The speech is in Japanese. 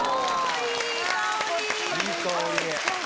いい香り。